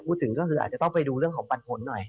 พูดถึงก็คืออาจจะต้องไปดูเรื่องของปันผลหน่อย